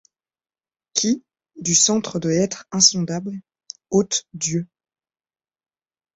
Qui, du centre de l’être insondable, ôte Dieu